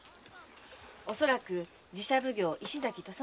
おそらく寺社奉行石崎土佐